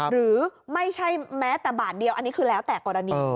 หรือไม่ใช่แม้แต่บาทเดียวอันนี้คือแล้วแต่กรณี